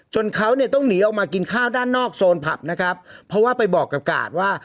เขาเนี่ยต้องหนีออกมากินข้าวด้านนอกโซนผับนะครับเพราะว่าไปบอกกับกาดว่า